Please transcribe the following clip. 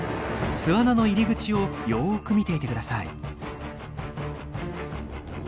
巣穴の入り口をよく見ていてください。